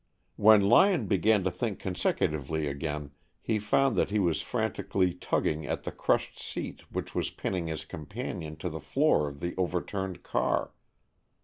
When Lyon began to think consecutively again, he found that he was frantically tugging at the crushed seat which was pinning his companion to the floor of the overturned car.